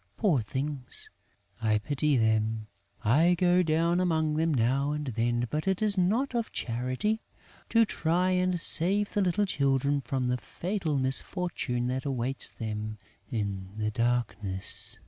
Poor things, I pity them! I go down among them now and then, but it is out of charity, to try and save the little children from the fatal misfortune that awaits them in the darkness."